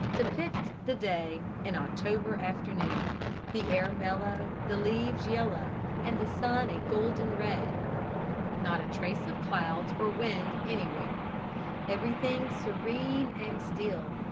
Depict the day an October afternoon. The air mellow, the leaves yellow, and the sun a golden red. Not a trace of clouds or wind anywhere. Everything serene and still.